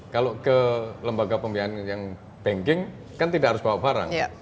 kalau ke lembaga pembiayaan yang banking kan tidak harus bawa barang